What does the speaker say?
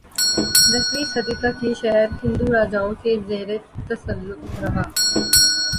دسویں صدی تک یہ شہر ہندو راجائوں کے زیرتسلط رہا